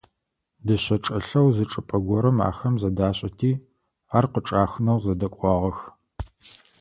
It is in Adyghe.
Дышъэ чӀэлъэу зы чӀыпӀэ горэ ахэм зэдашӀэти, ар къычӀахынэу зэдэкӀуагъэх.